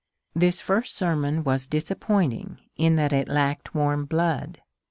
This first sermon was disappointing in that it lacked warm blood.